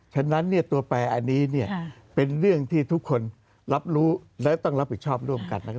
ฉะนั้นตัวแปรอันนี้เป็นเรื่องที่ทุกคนรับรู้และต้องรับผิดชอบร่วมกันนะครับ